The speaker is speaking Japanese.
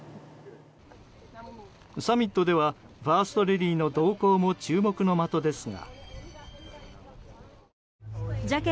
サミットではファーストレディーの動向も注目の的ですが。